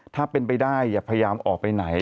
ถ้าเป็นไปได้อย่าพยายามออกไปไหน